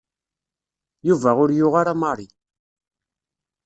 Yuba ur yuɣ ara Mary.